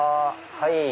はい。